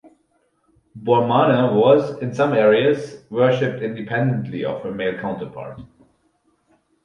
Bormana was, in some areas, worshipped independently of her male counterpart.